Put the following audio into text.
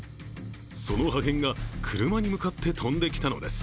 その破片が車に向かって飛んできたのです。